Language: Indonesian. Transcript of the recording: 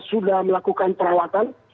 sudah melakukan perawatan